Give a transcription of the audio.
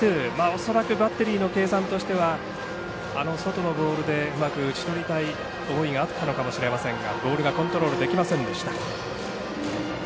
恐らくバッテリーの計算としてはあの外のボールで打ち取りたい思いがあったかもしれませんがボールがコントロールできませんでした。